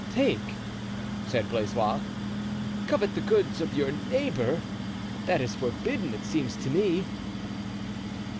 "Take!" said Blaisois; "covet the goods of your neighbor? That is forbidden, it seems to me."